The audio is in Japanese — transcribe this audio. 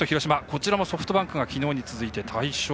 こちらもソフトバンクがきのうに続いて大勝。